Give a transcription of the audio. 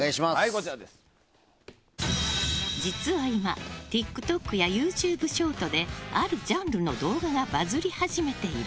実は今、ＴｉｋＴｏｋやＹｏｕＴｕｂｅショートであるジャンルの動画がバズり始めている。